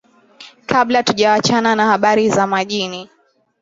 kabla hatujawachana na habari za majini